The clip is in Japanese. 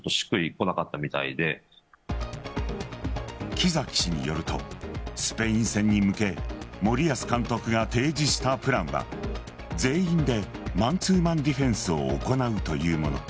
木崎氏によるとスペイン戦に向け森保監督が提示したプランは全員でマンツーマンディフェンスを行うというもの。